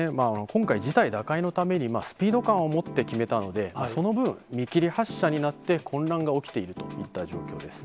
今回、事態打開のために、スピード感を持って決めたので、その分、見切り発車になって、混乱が起きているといった状況です。